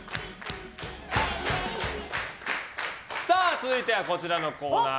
続いては、こちらのコーナー。